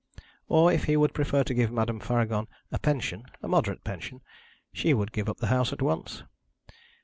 Or if he would prefer to give Madame Faragon a pension a moderate pension she would give up the house at once.